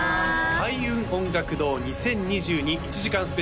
開運音楽堂２０２２１時間ＳＰ！！